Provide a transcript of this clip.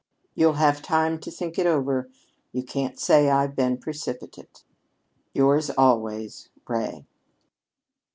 "You'll have time to think it over. You can't say I've been precipitate. "Yours always, "RAY."